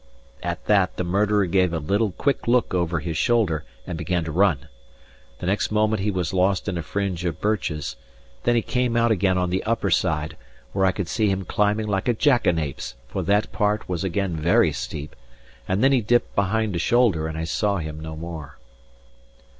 At that the murderer gave a little, quick look over his shoulder, and began to run. The next moment he was lost in a fringe of birches; then he came out again on the upper side, where I could see him climbing like a jackanapes, for that part was again very steep; and then he dipped behind a shoulder, and I saw him no more.